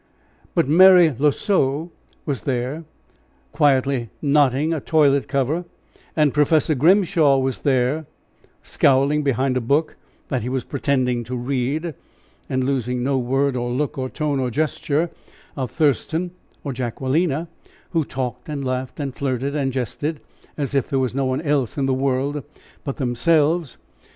But Mary L'Oiseau was there, quietly knotting a toilet cover, and Professor Grimshaw was there, scowling behind a book that he was pretending to read, and losing no word or look or tone or gesture of Thurston or Jacquelina, who talked and laughed and flirted and jested, as if there was no one else in the world but themselves.